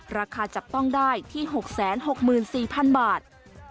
ราคาจับต้องได้ที่๖๖๔๐๐๐บาท